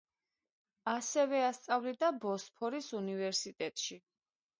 ასევე ასწავლიდა ბოსფორის უნივერსიტეტში.